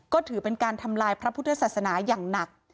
ก็ถือเป็นการทำลายพระพุทธศาสนาอย่างหนัก